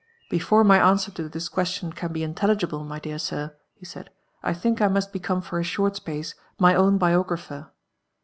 " Before my answer to this question can be in telligible, my dear sir,'^ he said, '* I thiak I must become for a short space my own biographer."